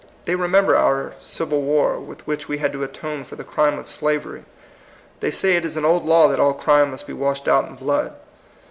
They remember our Civil War, with which we had to atone for the crime of slavery. They say it is an old law that all crime must be washed out in blood.